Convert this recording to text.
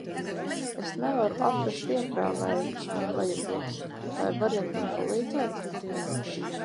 Es nevaru atrast iekrāvēju, kas man vajadzīgs. vai variet man palīdzēt?